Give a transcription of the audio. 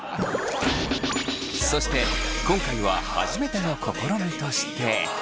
そして今回は初めての試みとして。